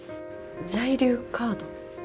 在留カード？